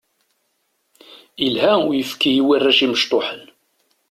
Ilha uyefki i warrac imecṭuḥen.